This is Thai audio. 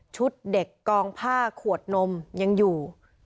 เด็กกองผ้าขวดนมยังอยู่